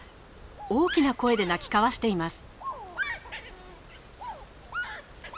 大きな声で鳴き交わしています。